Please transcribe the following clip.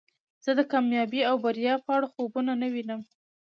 زه د کامیابی او بریا په اړه خوبونه نه وینم